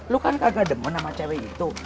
lu kan kagak demang sama cewek itu